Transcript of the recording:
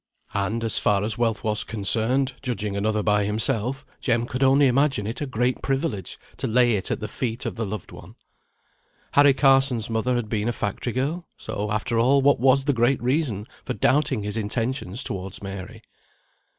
And, as far as wealth was concerned, judging another by himself, Jem could only imagine it a great privilege to lay it at the feet of the loved one. Harry Carson's mother had been a factory girl; so, after all, what was the great reason for doubting his intentions towards Mary?